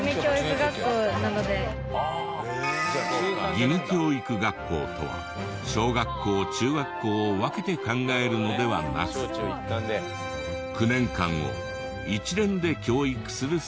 義務教育学校とは小学校中学校を分けて考えるのではなく９年間を一連で教育する制度。